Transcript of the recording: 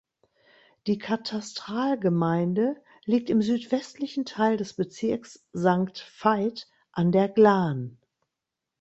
Die Katastralgemeinde liegt im südwestlichen Teil des Bezirks Sankt Veit an der Glan.